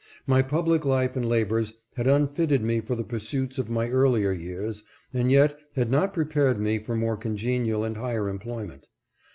My public life and labors had unfitted me for the pursuits of my earlier years, and yet had not prepared me for more congenial and higher employment.